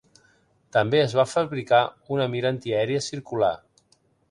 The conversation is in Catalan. També es va fabricar una mira antiaèria circular.